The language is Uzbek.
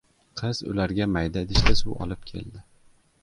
Qiz ularga mayda idishda suv olib keldi.